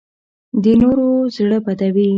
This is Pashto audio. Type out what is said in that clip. د نورو زړه بدوي